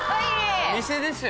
お店ですよ